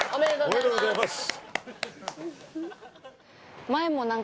おめでとうございます。